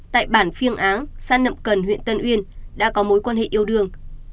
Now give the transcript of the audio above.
tại bản phiêng áng nậm cần huyện tân uyên đã có mối quan hệ yêu đương